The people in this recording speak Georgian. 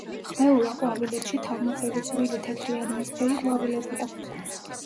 ხვეულა ყვავილედში თავმოყრილი წვრილი თეთრი ან იისფერი ყვავილები აქვთ.